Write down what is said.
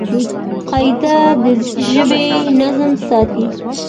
قاعده د ژبي نظم ساتي.